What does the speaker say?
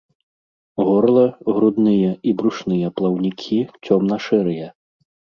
Горла, грудныя і брушныя плаўнікі цёмна-шэрыя.